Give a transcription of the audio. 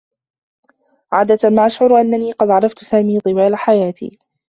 عادة ما أشعر أنّني قد عرفت سامي طوال حياتي.